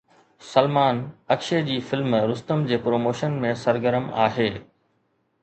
سلمان اڪشي جي فلم رستم جي پروموشن ۾ سرگرم آهي